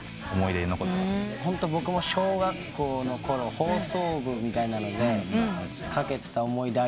ホント僕も小学校のころ放送部みたいなのでかけてた思い出あります。